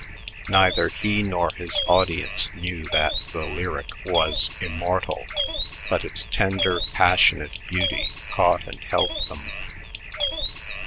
Neither he nor his audience knew that the lyric was immortal, but its tender, passionate beauty caught and held them.